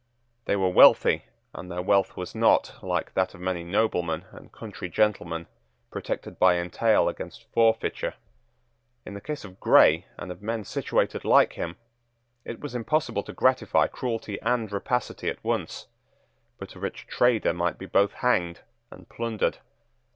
They were wealthy; and their wealth was not, like that of many noblemen and country gentlemen, protected by entail against forfeiture. In the case of Grey and of men situated like him, it was impossible to gratify cruelty and rapacity at once; but a rich trader might be both hanged and plundered.